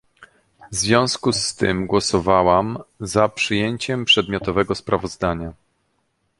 W związku z tym głosowałam za przyjęciem przedmiotowego sprawozdania